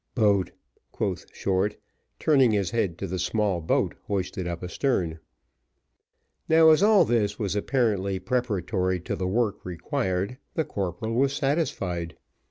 "Boat," quoth Short, turning his head to the small boat hoisted up astern. Now as all this was apparently preparatory to the work required, the corporal was satisfied.